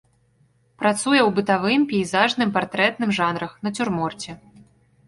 Працуе ў бытавым, пейзажным, партрэтным жанрах, нацюрморце.